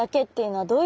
はい。